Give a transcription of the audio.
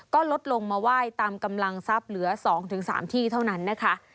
ก็ลดลงมาไหว้ตามกำลังทรัพย์เหลือ๒๓ที่เท่านั้นนะคะ